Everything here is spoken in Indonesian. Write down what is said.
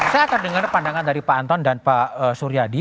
saya akan dengar pandangan dari pak anton dan pak suryadi